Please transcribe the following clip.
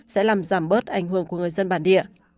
sẽ làm giảm bớt ảnh hưởng của người dân bản địa